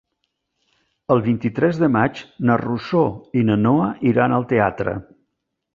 El vint-i-tres de maig na Rosó i na Noa iran al teatre.